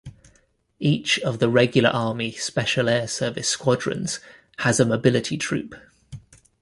Each of the regular army Special Air Service squadrons has a Mobility troop.